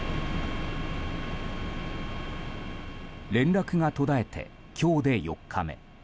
連絡が途絶えて今日で４日目。